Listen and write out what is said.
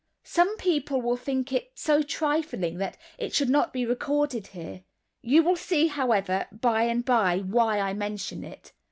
Some people will think it so trifling that it should not be recorded here. You will see, however, by and by, why I mention it.